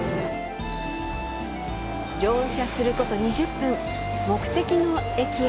乗車すること２０分、目的の駅へ。